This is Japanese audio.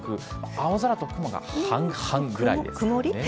青空と雲が半々ぐらいです。